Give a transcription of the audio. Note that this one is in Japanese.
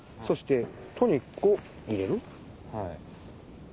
そしてトニックを入れる。